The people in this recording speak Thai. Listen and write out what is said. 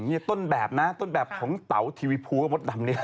นี่ต้นแบบนะต้นแบบของเตาทีวีภูกับมดดำเนี่ย